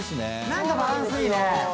何かバランスいいね。